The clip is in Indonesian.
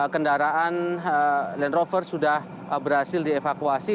kendaraan land rover sudah berhasil dievakuasi